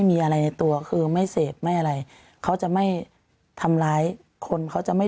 มีอะไรในตัวคือไม่เสพไม่อะไรเขาจะไม่ทำร้ายคนเขาจะไม่